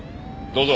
どうぞ。